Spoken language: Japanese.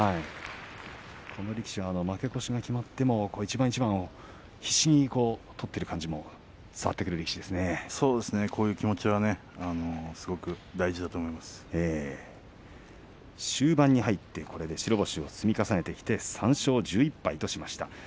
この力士は負け越しが決まっても一番一番必死に取っている感じもこういう気持ちは終盤に入ってこれで白星を積み重ねてきて３勝１１敗としました。